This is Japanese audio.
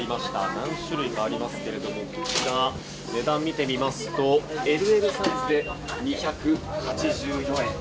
何種類かありますけど値段を見てみますとＬＬサイズで２８４円。